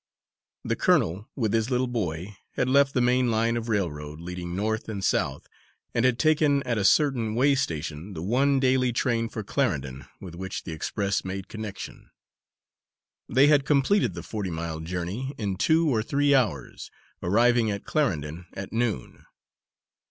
The colonel, with his little boy, had left the main line of railroad leading north and south and had taken at a certain way station the one daily train for Clarendon, with which the express made connection. They had completed the forty mile journey in two or three hours, arriving at Clarendon at noon.